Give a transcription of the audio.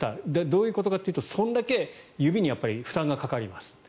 どういうことかというとそれだけ指に負担がかかります。